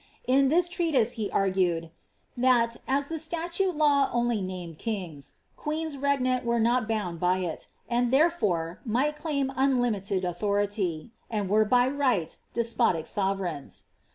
In this treatise he argued, ^ that, as the siatute >law only named ft«f^«, queens (regnant) were not bound by it, and therefore might claim nnlimited authority, and were by right despotic sovereigns."